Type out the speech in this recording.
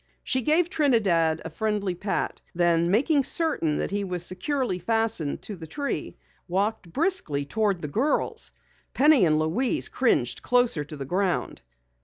She gave Trinidad a friendly pat. Then making certain that he was securely fastened to the tree, walked briskly toward the girls. Penny and Louise cringed closer to the ground.